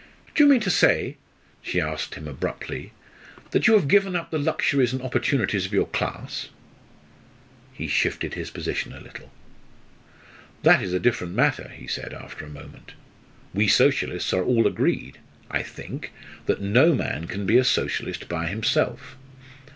"Do you mean to say," she asked him abruptly, "that you have given up the luxuries and opportunities of your class?" He shifted his position a little. "That is a different matter," he said after a moment. "We Socialists are all agreed, I think, that no man can be a Socialist by himself.